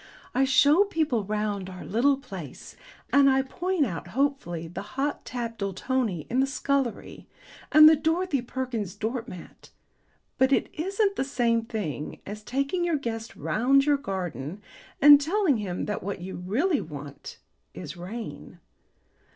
I show people round our little place, and I point out hopefully the Hot Tap Doultonii in the scullery, and the Dorothy Perkins doormat, but it isn't the same thing as taking your guest round your garden and telling him that what you really want is rain.